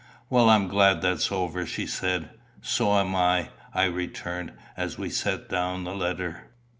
"Well, I'm glad that's over," she said. "So am I," I returned, as we set down the litter.